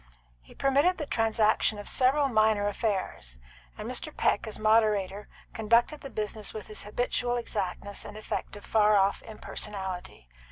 He permitted the transaction of several minor affairs, and Mr. Peck, as Moderator, conducted the business with his habitual exactness and effect of far off impersonality.